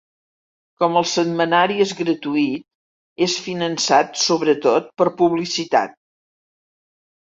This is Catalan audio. Com el setmanari és gratuït, és finançat sobretot per publicitat.